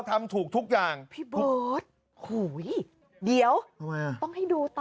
ท่อผู้ชายอยากจึงอยู่